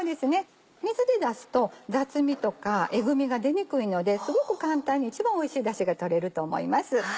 水で出すと雑味とかえぐみが出にくいのですごく簡単に一番おいしいだしがとれると思います。